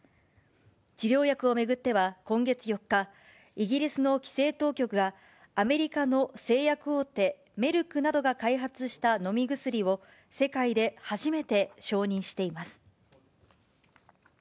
治療薬を巡っては今月４日、イギリスの規制当局が、アメリカの製薬大手メルクなどが開発した飲み薬を、世界で初めて承認しています。